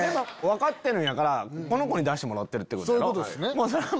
分かってるんやからこの子に出してもらってるってことやろ？